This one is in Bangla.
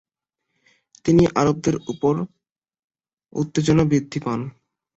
তিনি আরবদের মধ্যে উত্তেজনা বৃদ্ধি পায়।